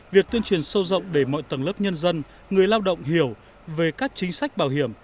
việc tuyên truyền sâu rộng để mọi tầng lớp nhân dân người lao động hiểu về các chính sách bảo hiểm